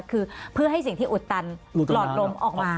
คือเพื่อให้สิ่งที่อุดตันหลอดลมออกมา